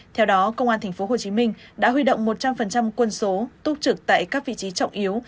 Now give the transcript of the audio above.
theo đó công an tp hcm đã huy động một trăm linh quân số túc trực tại các vị trí trọng yếu